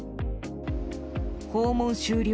訪問終了